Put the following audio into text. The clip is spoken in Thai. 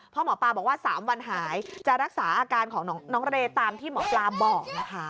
เพราะหมอปลาบอกว่า๓วันหายจะรักษาอาการของน้องเรตามที่หมอปลาบอกนะคะ